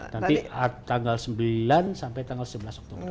nanti tanggal sembilan sampai tanggal sebelas oktober